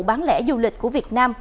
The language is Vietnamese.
bán lẻ du lịch của việt nam